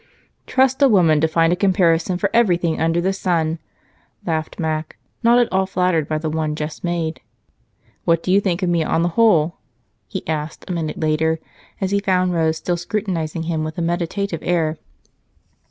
"Trust a woman to find a comparison for everything under the sun!" laughed Mac, not at all flattered by the one just made. "What do you think of me, on the whole?" he asked a minute later, as he found Rose still scrutinizing him with a meditative air.